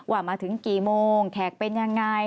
ว่ามาถึงกี่โมงแขกเป็นยังไง